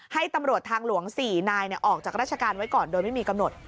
ให้ตำรวจทางหลวง๔นายออกจากราชการไว้ก่อนโดยไม่มีกำหนด